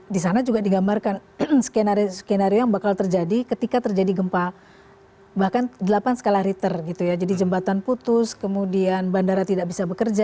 di sana juga digambarkan skenario skenario yang bakal terjadi ketika terjadi gempa bahkan delapan skala riter gitu ya jadi jembatan putus kemudian bandara tidak bisa bekerja